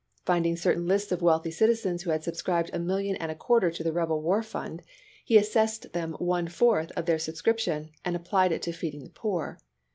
Finding certain lists of wealthy citizens who had subscribed a million and a quarter to the rebel war fund, he assessed them one fourth their sub scrii>tion and applied it to feeding the poor.